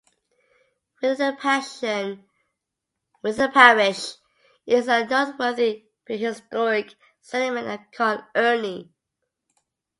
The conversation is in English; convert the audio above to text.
Within the parish is a noteworthy prehistoric settlement at Carn Euny.